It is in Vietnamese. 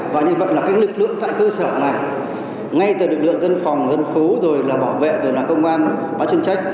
vậy là cái lực lượng tại cơ sở này ngay từ lực lượng dân phòng dân phố rồi là bảo vệ rồi là công an bán chân trách